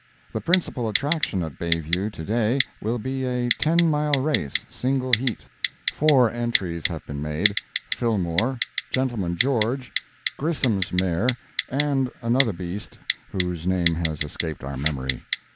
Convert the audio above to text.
The principal attraction at Bay View to day will be a ten mile race, single heat. Four entries have been made—"Fillmore," "Gentleman George," Grissom's mare, and another beast, whose name has escaped our memory.